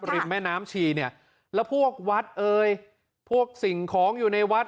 แม่น้ำชีเนี่ยแล้วพวกวัดเอ่ยพวกสิ่งของอยู่ในวัด